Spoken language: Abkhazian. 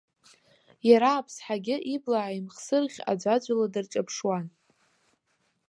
Иара аԥсҳагьы ибла ааихмырсыӷь аӡәаӡәала дырҿаԥшуан.